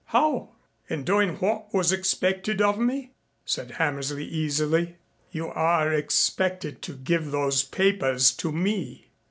"How? In doing what was expected of me?" said Hammersley easily. "You are expected to give those papers to me."